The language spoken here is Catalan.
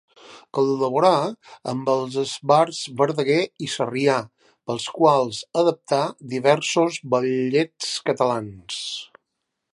Col·laborà amb els esbarts Verdaguer i Sarrià, pels quals adaptà diversos ballets catalans.